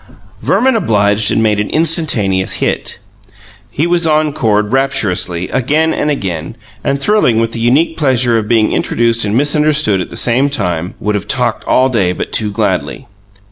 Verman obliged and made an instantaneous hit. He was encored rapturously, again and again; and, thrilling with the unique pleasure of being appreciated and misunderstood at the same time, would have talked all day but too gladly.